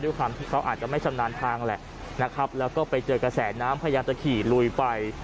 ด้วยความที่เขาอาจจะไม่ชำนาญทางแหละนะครับแล้วก็ไปเจอกระแสน้ำพยายามจะขี่ลุยไป